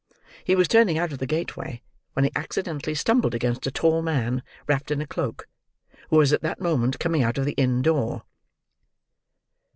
He was turning out of the gateway when he accidently stumbled against a tall man wrapped in a cloak, who was at that moment coming out of the inn door.